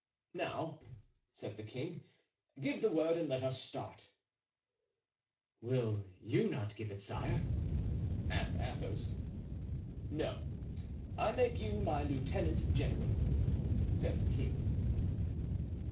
"Now," said the king, "give the word and let us start." "Will you not give it, sire?" asked Athos. "No; I make you my lieutenant general," said the king.